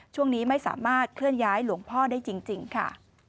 ช่วงนี้ไม่สามารถเคลื่อนย้ายหลวงพ่อได้จริงค่ะ